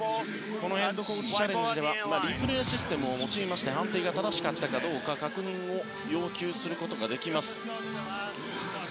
このヘッドコーチチャレンジではリプレイシステムを用いまして判定が正しかったかどうか確認を要求することができます。